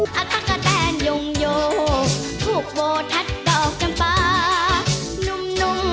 เป็นกินกูเมอร์แดง